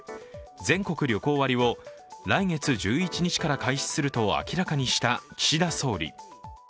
全国旅行割を来月１１日から開始すると明らかにした岸田総理。